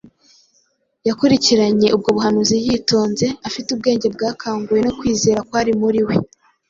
Yakurikiranye ubwo buhanuzi yitonze, afite ubwenge bwakanguwe no kwizera kwari muri we.